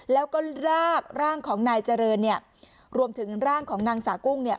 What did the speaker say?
แล้วก็รากร่างของนายเจริญเนี่ยรวมถึงร่างของนางสากุ้งเนี่ย